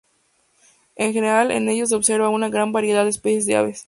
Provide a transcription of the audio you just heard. En general en ello se observa una gran variedad de especies de aves.